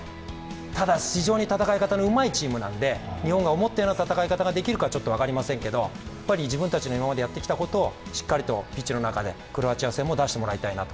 ただ、非常に戦い方のうまいチームなので、日本が思ったような戦い方ができるかちょっと分かりませんけれども、自分たちの今までやってきたことをしっかりとピッチの中でクロアチア戦も出してもらいたいなと。